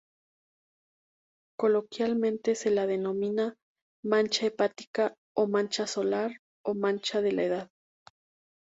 Coloquialmente se la denomina "mancha hepática" o "mancha solar" o "mancha de la edad".